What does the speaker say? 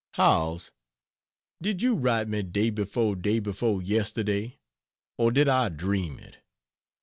Howells, Did you write me day before day before yesterday, or did I dream it?